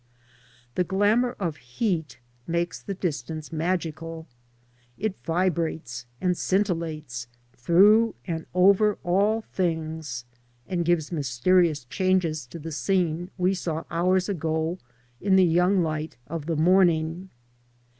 The glamour of heat makes the distance magical. It vibrates and scintillates through and over all things, and gives mysterious changes to the scene we saw hours ago in the young light of the morning.